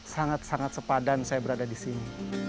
sangat sangat sepadan saya berada di sini